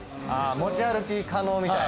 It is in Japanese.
持ち歩き可能みたいな。